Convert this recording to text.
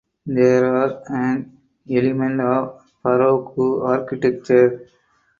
They are an element of Baroque architecture.